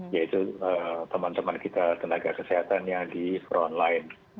yaitu teman teman kita tenaga kesehatan yang di frontline